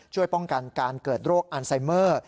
ช่วยป้องกันการเกิดโรคอันไซเมอร์